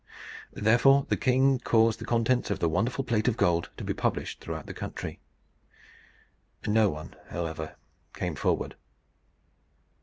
Therefore the king caused the contents of the wonderful plate of gold to be published throughout the country. No one, however, came forward.